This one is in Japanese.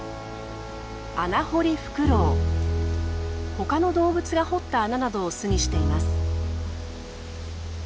他の動物が掘った穴などを巣にしています。